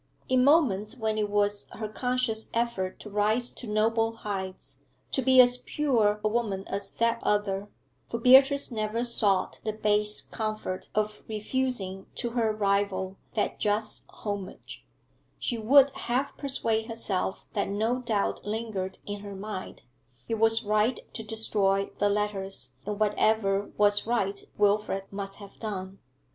In moments when it was her conscious effort to rise to noble heights, to be as pure a woman as that other for Beatrice never sought the base comfort of refusing to her rival that just homage she 'would half persuade herself that no doubt lingered in her mind; it was right to destroy the letters, and whatever was right Wilfrid must have done.